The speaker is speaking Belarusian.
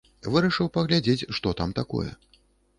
Вырашыў паглядзець, што там такое.